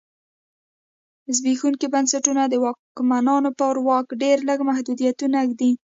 زبېښونکي بنسټونه د واکمنانو پر واک ډېر لږ محدودیتونه ږدي.